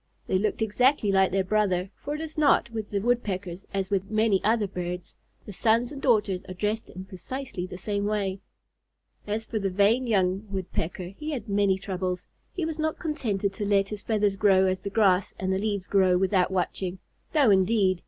They looked exactly like their brother, for it is not with the Woodpeckers as with many other birds, the sons and daughters are dressed in precisely the same way. As for the vain young Woodpecker, he had many troubles. He was not contented to let his feathers grow as the grass and the leaves grow, without watching. No indeed!